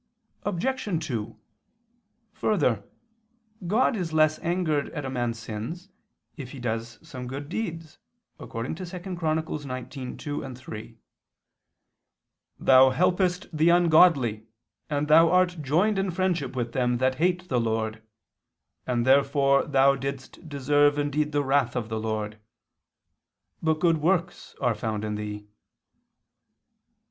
Obj. 2: Further, God is less angered at a man's sins if he does some good deeds, according to 2 Paralip. 19:2, 3, "Thou helpest the ungodly, and thou art joined in friendship with them that hate the Lord, and therefore thou didst deserve indeed the wrath of the Lord: but good works are found in thee."